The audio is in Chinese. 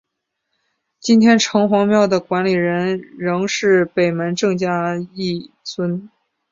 今天城隍庙的管理人仍是北门郑家裔孙。